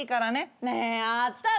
ねえあったかい。